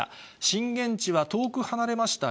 震源地は遠く離れました